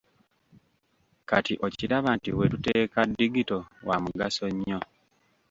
Kati okiraba nti wetuteeka digito wa mugaso nnyo